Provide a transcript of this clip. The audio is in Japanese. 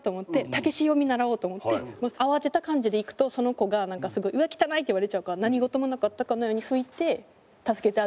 たけしを見習おうと思って慌てた感じで行くとその子がなんかすごい「うわっ汚い」って言われちゃうから何事もなかったかのように拭いて助けてあげたんですね